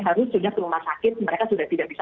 harus sudah ke rumah sakit mereka sudah tidak bisa